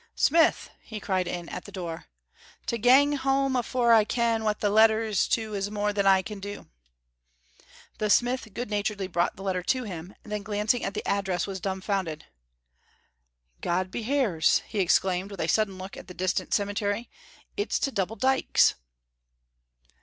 "Smith," he cried in at the door, "to gang hame afore I ken wha that letter's to is more than I can do." The smith good naturedly brought the letter to him, and then glancing at the address was dumfounded. "God behears," he exclaimed, with a sudden look at the distant cemetery, "it's to Double Dykes!"